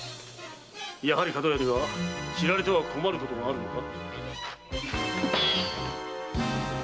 やはり角屋では知られては困ることがあるのか？